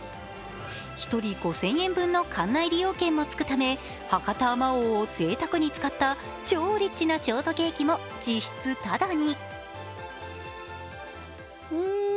１人５０００円分の館内利用券もつくため、博多あまおうをぜいたくに使った超リッチなショートケーキも実質ただに。